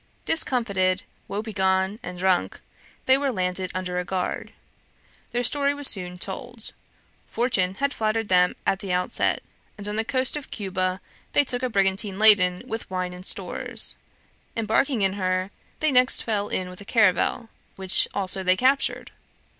Discomfited, woebegone, and drunk, they were landed under a guard. Their story was soon told. Fortune had flattered them at the outset, and on the coast of Cuba they took a brigantine laden with wine and stores. Embarking in her, they next fell in with a caravel, which also they captured.